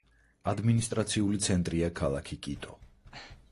ადმინისტრაციული ცენტრია ქალაქი კიტო.